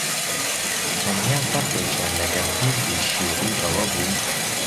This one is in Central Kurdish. تەنیا فەرقێکیان لەگەڵ حیزبی شیووعی ئەوە بوو: